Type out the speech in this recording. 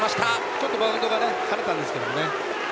ちょっとバウンドが跳ねたんですけど。